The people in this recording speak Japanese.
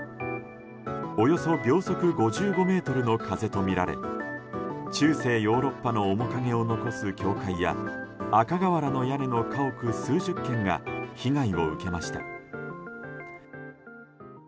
およそ秒速５５メートルの風とみられ中世ヨーロッパの面影を残す教会や赤瓦の屋根の家屋数十軒が被害を受けました。